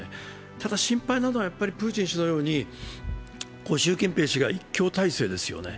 ただ心配なのはプーチン氏のように習近平氏が一強体制ですよね。